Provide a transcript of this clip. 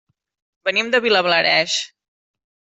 Venim de Vilablareix.